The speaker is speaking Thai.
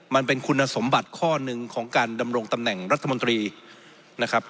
มันเป็นคุณสมบัติข้อหนึ่งของการดำรงตำแหน่งรัฐมนตรีนะครับ